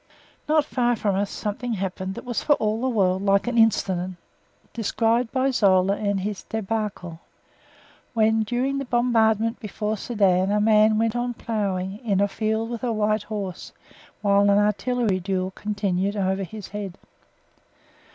Not far from us something happened that was for all the world like an incident described by Zola in his "Dèbacle," when during the bombardment before Sedan a man went on ploughing in a valley with a white horse, while an artillery duel continued over his head.